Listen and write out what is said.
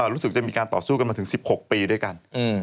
รู้สึกจะมีการต่อสู้กันมาถึง๑๖ปีด้วยกัน